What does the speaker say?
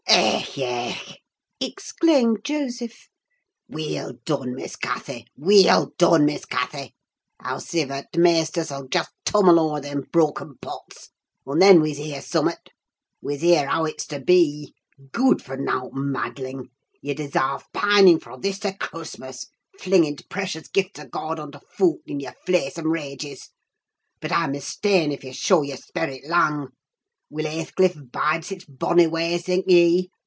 "Ech! ech!" exclaimed Joseph. "Weel done, Miss Cathy! weel done, Miss Cathy! Howsiver, t' maister sall just tum'le o'er them brocken pots; un' then we's hear summut; we's hear how it's to be. Gooid for naught madling! ye desarve pining fro' this to Churstmas, flinging t' precious gifts uh God under fooit i' yer flaysome rages! But I'm mista'en if ye shew yer sperrit lang. Will Hathecliff bide sich bonny ways, think ye?